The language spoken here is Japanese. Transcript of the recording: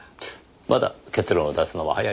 まだ結論を出すのは早いと思いますよ。